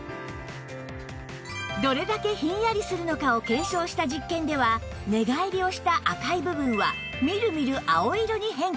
どれだけひんやりするのかを検証した実験では寝返りをした赤い部分はみるみる青色に変化